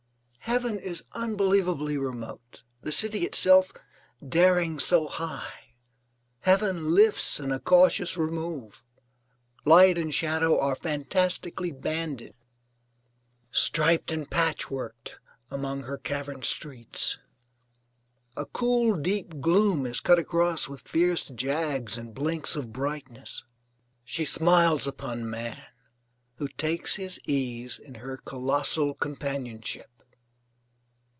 Heaven is unbelievably remote; the city itself daring so high, heaven lifts in a cautious remove. Light and shadow are fantastically banded, striped, and patchworked among her cavern streets; a cool, deep gloom is cut across with fierce jags and blinks of brightness. She smiles upon man who takes his ease in her colossal companionship.